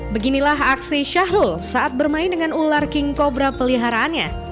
beginilah aksi syahrul saat bermain dengan ular king cobra peliharaannya